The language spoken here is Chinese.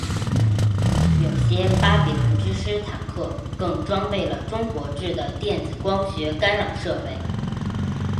有些巴比伦之狮坦克更装备了中国制的电子光学干扰设备。